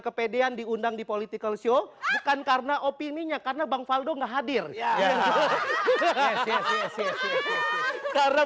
kepedean diundang di politikalshow bukan karena opini nya karena bang faldo enggak hadir karena